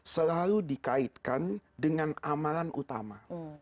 selalu dikaitkan dengan amalan utama